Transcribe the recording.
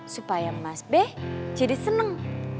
supaya mas b jadi senang